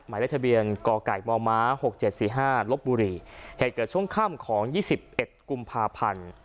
หมายได้ทะเบียนก่อก่ายมอม้าหกเจ็ดสี่ห้านลบบุรีเหตุเกิดช่วงข้ามของยี่สิบเอ็ดกุมภาพันธ์